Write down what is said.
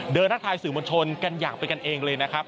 เดินรัฐทายสื่อมวลชนกันอย่างไปกันเองเลยนะครับ